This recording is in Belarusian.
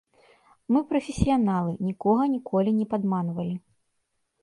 Мы прафесіяналы, нікога ніколі не падманвалі.